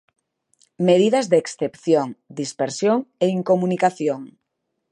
Medidas de excepción: dispersión e incomunicación.